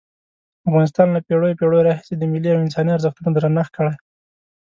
افغانستان له پېړیو پېړیو راهیسې د ملي او انساني ارزښتونو درنښت کړی.